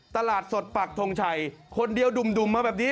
ตลาดสดปักทงชัยคนเดียวดุ่มมาแบบนี้